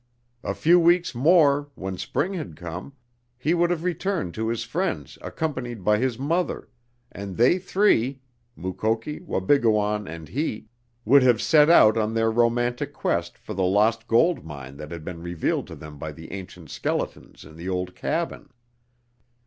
A few weeks more, when spring had come, he would have returned to his friends accompanied by his mother, and they three Mukoki, Wabigoon and he would have set out on their romantic quest for the lost gold mine that had been revealed to them by the ancient skeletons in the old cabin.